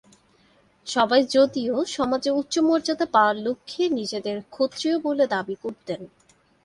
সবাই যদিও সমাজে উচ্চ মর্যাদা পাওয়ার লক্ষ্যে নিজেদের ক্ষত্রিয় বলে দাবি করতেন।